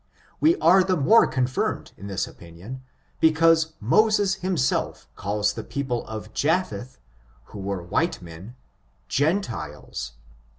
We are the more confirmed in this opinion, because Mo ses himself calls the people of Japheth, who were white men, gentiles.